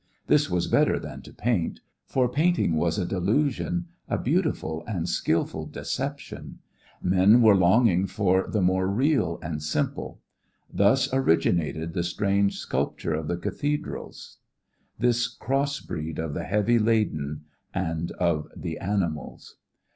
This was better than to paint; for painting was a delusion, a beautiful and skillful deception. Men were longing for the more real and simple. Thus originated the strange sculpture of the cathedrals, this! cross breed of the heavy laden and of the animals.